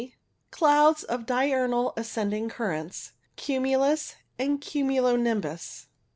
Clouds of diurnal ascending currents. Cumulus and cumulo nimbus.